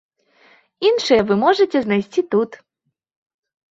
Іншыя вы можаце знайсці тут.